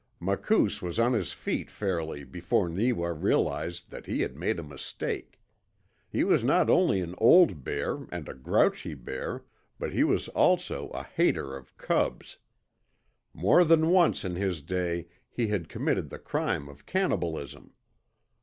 Makoos was on his feet fairly before Neewa realized that he had made a mistake. He was not only an old bear and a grouchy bear, but he was also a hater of cubs. More than once in his day he had committed the crime of cannibalism.